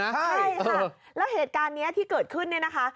ใช่ค่ะแล้วเหตุการณ์นี้ที่เกิดขึ้นเนี่ยนะคะ